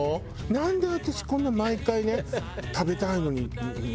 なんで私こんな毎回ね食べたいのに。